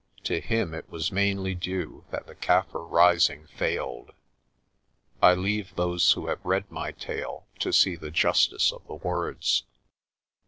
To him it was mainly due that the Kaffir Rising failed." I leave those who have read my tale to see the justice of the words.